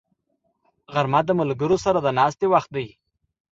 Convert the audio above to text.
غرمه د ملګرو سره د ناستې وخت دی